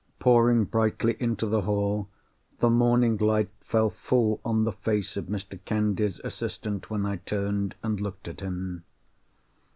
Pouring brightly into the hall, the morning light fell full on the face of Mr. Candy's assistant when I turned, and looked at him.